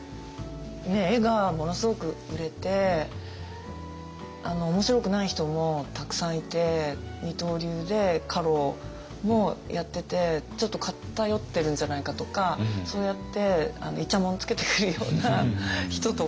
絵がものすごく売れて面白くない人もたくさんいて二刀流で家老もやっててちょっと偏ってるんじゃないかとかそうやっていちゃもんつけてくるような人とか。